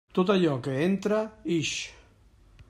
Tot allò que entra, ix.